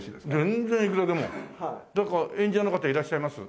全然いくらでも。なんか演者の方いらっしゃいます？